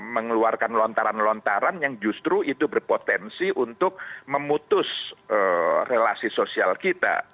mengeluarkan lontaran lontaran yang justru itu berpotensi untuk memutus relasi sosial kita